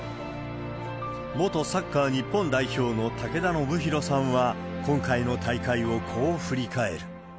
元サッカー日本代表の武田修宏さんは、今回の大会をこう振り返る。